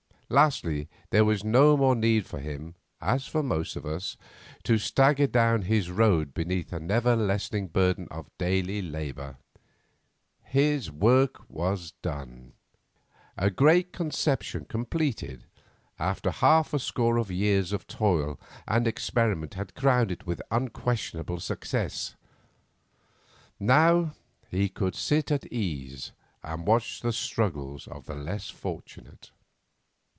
Lastly, there was no more need for him, as for most of us, to stagger down his road beneath a never lessening burden of daily labour. His work was done; a great conception completed after half a score of years of toil and experiment had crowned it with unquestionable success. Now he could sit at ease and watch the struggles of others less fortunate.